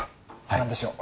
何でしょう？